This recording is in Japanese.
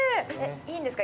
いいんですか？